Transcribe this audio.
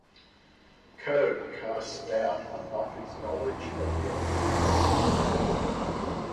Koh casts doubt on Buffy's knowledge of the elder ones.